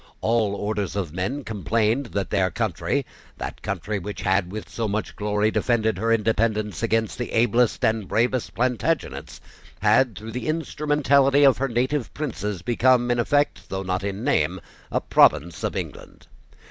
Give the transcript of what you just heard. All orders of men complained that their country, that country which had, with so much glory, defended her independence against the ablest and bravest Plantagenets, had, through the instrumentality of her native princes, become in effect, though not in name, a province of England.